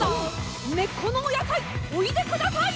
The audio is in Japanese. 「根っこのお野菜おいでください！」